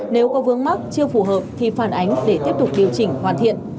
nếu có vướng mắc chưa phù hợp thì phản ánh để tiếp tục điều chỉnh hoàn thiện